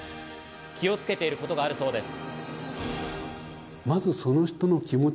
気をつけていることがあるそうです。